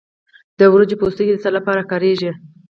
د وریجو پوستکی د څه لپاره کاریږي؟